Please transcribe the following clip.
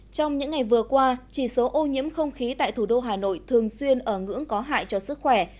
trong những ngày vừa qua chỉ số ô nhiễm không khí tại thủ đô hà nội thường xuyên ở ngưỡng có hại cho sức khỏe